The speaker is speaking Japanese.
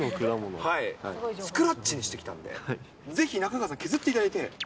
スクラッチにしてきたんで、ぜひ中川さん、削っていただいて。